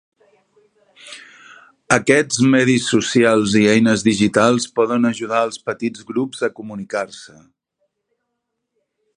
Aquests medis socials i eines digitals poden ajudar als petits grups a comunicar-se.